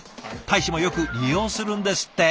大使もよく利用するんですって。